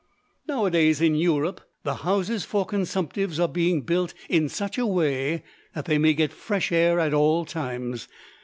Now a days, in Europe, the houses for consumptives are being built in such a way that they may get fresh air at all times.